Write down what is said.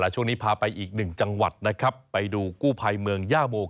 ช่วงนี้พาไปอีก๑จังหวัดไปดูกูภัยเมืองย่าโหม